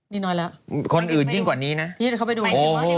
นี่น้อยแล้วคนอื่นยิ่งกว่านี้นะที่เขาไปดู